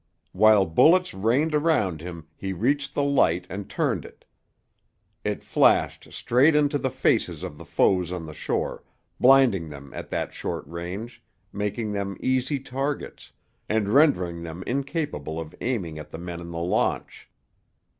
While bullets rained around him he reached the light and turned it. It flashed straight into the faces of the foes on the shore, blinding them at that short range, making them easy targets, and rendering them incapable of aiming at the men on the launch.